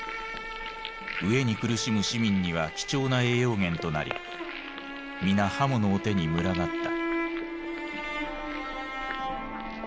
飢えに苦しむ市民には貴重な栄養源となり皆刃物を手に群がった。